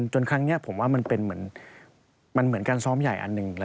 ครั้งนี้ผมว่ามันเป็นเหมือนการซ้อมใหญ่อันหนึ่ง